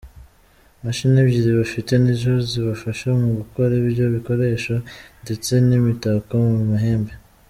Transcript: Imashini ebyiri bafite nizo zibafasha mu gukora ibyo bikoresho ndetse n’imitako mu mahembe.